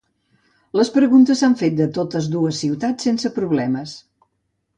Les preguntes s’han fet des de totes dues ciutats sense problemes.